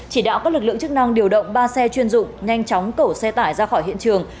chỉ đạo các lực lượng chức năng điều động ba xe chuyên dụng nhanh chóng cẩu xe tải ra khỏi hiện trường